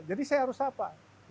jadi saya harus apa